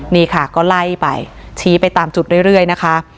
นี่ค่ะก็ไล่ไปชี้ไปตามจุดเรื่อยนะคะ